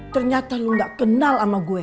ternyata lu gak kenal sama gue